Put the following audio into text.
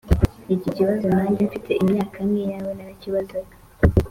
Iki kibazo nange mfite imyaka nk’iyawe narakibazaga,